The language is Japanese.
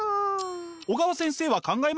小川先生は考えました。